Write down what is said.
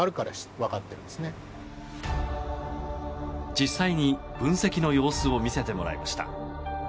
実際に分析の様子を見せてもらいました。